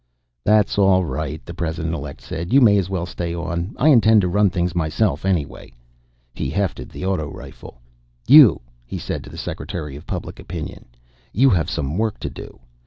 "That's all right," the President Elect said. "You may as well stay on. I intend to run things myself anyway." He hefted the auto rifle. "You," he said to the Secretary of Public Opinion. "You have some work to do.